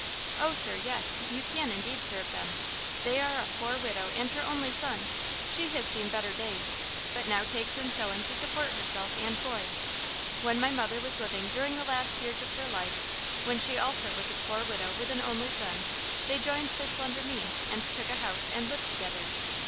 "Oh, sir, yes; you can indeed serve them. They are a poor widow and her only son. She has seen better days, but now takes in sewing to support herself and boy. When my mother was living, during the last years of her life, when she also was a poor widow with an only son, they joined their slender means and took a house and lived together.